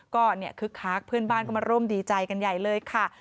ก็คึกคักเพื่อนบ้านก็มาร่วมดีใจกันใหญ่เลยค่ะ